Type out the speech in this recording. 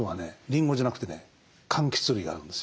りんごじゃなくてねかんきつ類が合うんですよ。